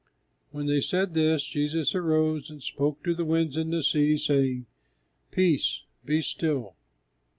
When they said this, Jesus arose and spoke to the winds and the sea, saying, "Peace, be still!"